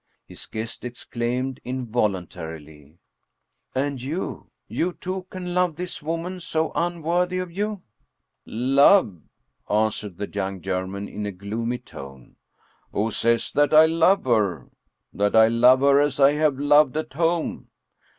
His guest exclaimed involuntarily :" And you you too can love this woman, so unworthy of you ?"" Love ?" answered the young German in a gloomy tone. "Who says that I love her? that I love her as I have loved at home?